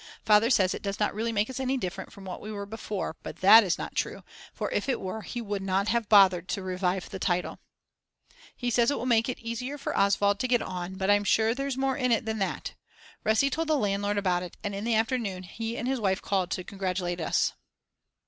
Father says it does not really make us any different from what we were before, but that is not true, for if it were he would not have bothered to revive the title. He says it will make it easier for Oswald to get on, but I'm sure there's more in it than that. Resi told the landlord about it and in the afternoon he and his wife called to congratulate us.